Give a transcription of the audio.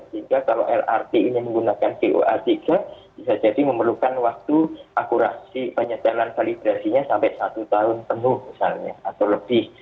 sehingga kalau lrt ini menggunakan coa tiga bisa jadi memerlukan waktu akurasi penyedalan validrasinya sampai satu tahun penuh misalnya atau lebih